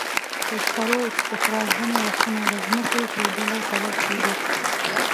د سکرو استخراج ځینې وختونه د ځمکې ښویېدلو سبب کېږي.